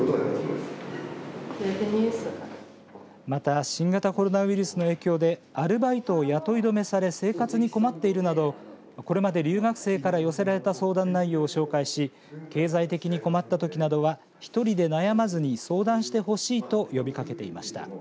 また新型コロナウイルスの影響でアルバイトを雇い止めされ生活に困っているなどこれまで留学生から寄せられた相談内容を紹介し経済的に困ったときなどは１人で悩まずに相談してほしいと呼びかけていました。